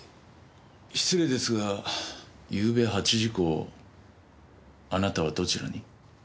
失礼ですがゆうべ８時以降あなたはどちらに？